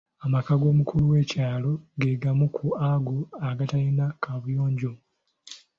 Amaka g'omukulu w'ekyalo ge gamu ku ago agatalina kaabuyonjo.